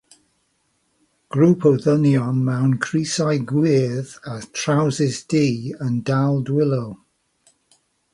Grŵp o ddynion mewn crysau gwyrdd a throwsus du yn dal dwylo.